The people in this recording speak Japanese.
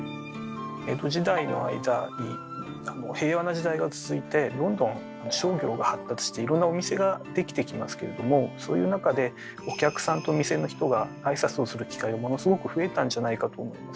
江戸時代の間に平和な時代が続いてどんどん商業が発達していろんなお店ができてきますけれどもそういう中でお客さんとお店の人が挨拶をする機会がものすごく増えたんじゃないかと思います。